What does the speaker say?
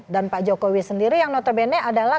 dan pak jokowi sendiri yang notabene adalah